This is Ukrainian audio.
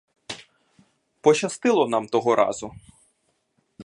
Пощастило нам того разу.